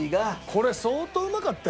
これ相当うまかったよ。